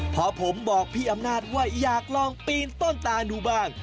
พอผมบอกพี่อำนาจว่าอยากลองปีนต้นตาดูบ้าง